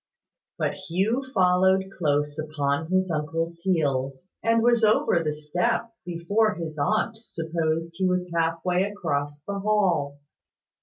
But Hugh followed close upon his uncle's heels, and was over the step before his aunt supposed he was half way across the hall.